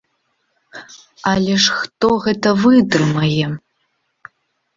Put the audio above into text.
Але ж хто гэта вытрымае?